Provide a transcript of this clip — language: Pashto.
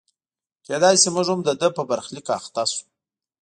کېدای شي موږ هم د ده په برخلیک اخته شو.